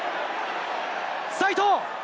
齋藤！